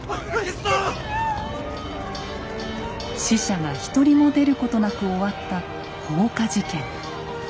死者が一人も出ることなく終わった放火事件。